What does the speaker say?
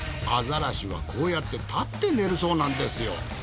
アザラシはこうやって立って寝るそうなんですよ。